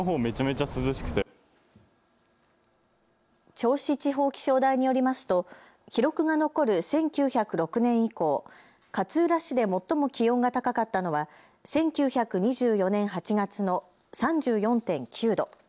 銚子地方気象台によりますと記録が残る１９０６年以降、勝浦市で最も気温が高かったのは１９２４年８月の３４．９度。